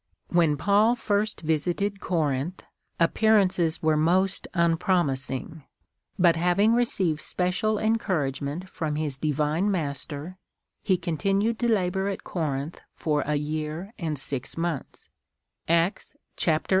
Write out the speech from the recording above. Vlll TRANSLATOR S PREFACE. When Paul first visited Corinth, appearances were most unpromising ; but, having received special encouragement from his Divine Master, he continued to labour at Corinth for a year and six months, (Acts xviii.